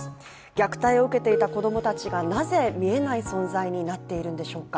虐待を受けていた子供たちが、なぜ、見えない存在になっているのでしょうか。